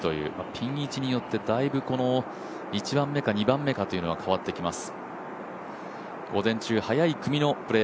ピン位置によってだいぶ、１番目か２番目か変わってきます。